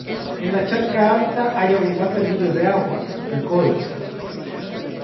En la charca alta hay abundantes lirios de agua, y koi.